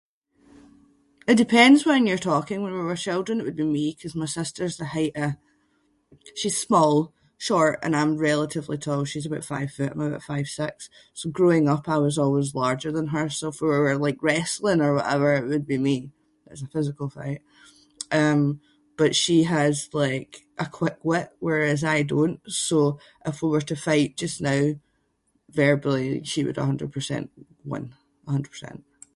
It depends when you’re talking. When we were children it would be me ‘cause my sister’s the height of- she’s small, short and I’m relatively tall. She’s aboot five foot, I’m aboot five six. So growing up I was always larger than her so if we were like wrestling or whatever it would be me if it’s a physical fight. Um but she has like a quick wit whereas I don’t so if we were to fight just now verbally she would a hundred percent win. A hundred percent.